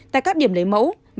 tại các điểm lấy mẫu